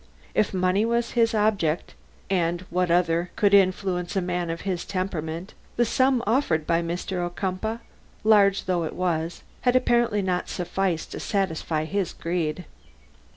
If money was his object and what other could influence a man of his temperament? the sum offered by Mr. Ocumpaugh, large though it was, had apparently not sufficed to satisfy his greed.